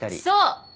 そう！